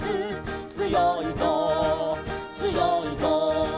「つよいぞつよいぞ」